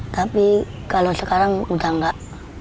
tapi kalau sekarang udah enggak